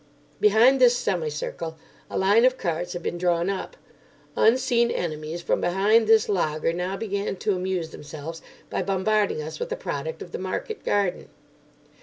Behind this semicircle a line of carts had been drawn up. Unseen enemies from behind this laager now began to amuse themselves by bombarding us with the product of the market garden.